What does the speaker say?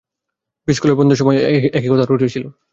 Piece school বন্ধের সময় নতুন নামে স্কুল করার কথা বলা হয়েছিল।